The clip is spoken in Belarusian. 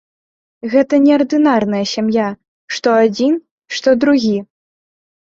Гэта неардынарная сям'я, што адзін, што другі.